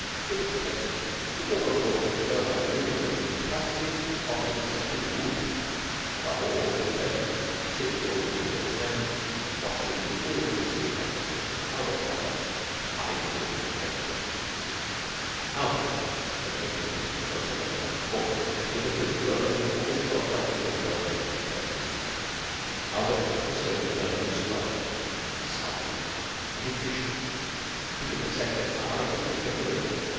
It was pleasant to walk abroad with a girl like Muriel in the capacity of the accepted wooer. Above all, it was pleasant to sit holding Muriel's hand and watching the ill concealed efforts of Mr. Albert Potter to hide his mortification. Albert was a mechanic in the motor works round the corner, and hitherto Roland had always felt something of a worm in his presence. Albert was so infernally strong and silent and efficient. He could dissect a car and put it together again.